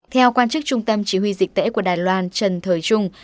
theo quan chức trung tâm chỉ huy dịch tễ của đài loan trần thời trung